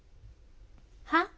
はっ？